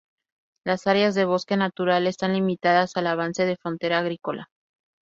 Las áreas de bosque natural están limitadas al avance de la frontera agrícola.